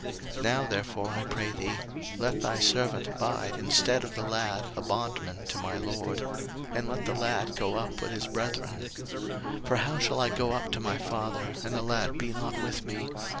01:044:033 Now therefore, I pray thee, let thy servant abide instead of the lad a bondman to my lord; and let the lad go up with his brethren. 01:044:034 For how shall I go up to my father, and the lad be not with me?